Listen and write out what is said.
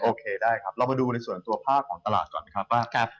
โอเคได้ครับเรามาดูในส่วนตัวภาคของตลาดก่อนไหมครับว่า